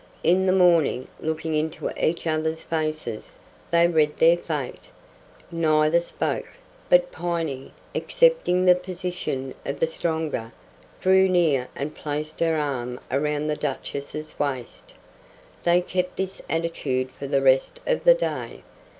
In the morning, looking into each other's faces, they read their fate. Neither spoke; but Piney, accepting the position of the stronger, drew near and placed her arm around the Duchess's waist. They kept this attitude for the rest of the day.